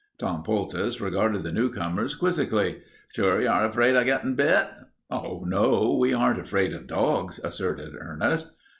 Tom Poultice regarded the newcomers quizzically. "Sure you aren't afraid o' gettin' bit?" "Oh, no, we aren't afraid of dogs," asserted Ernest.